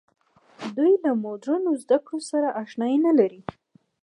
دوی له مډرنو زده کړو سره اشنايي نه لري.